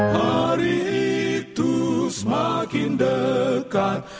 hari itu semakin dekat